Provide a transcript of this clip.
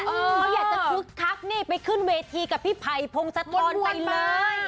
เขาอยากจะคึกคักนี่ไปขึ้นเวทีกับพี่ไผ่พงศธรไปเลย